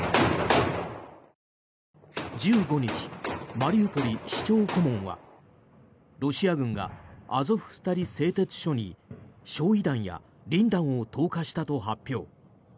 １５日、マリウポリ市長顧問はロシア軍がアゾフスタリ製鉄所に焼い弾やリン弾を投下したと発表。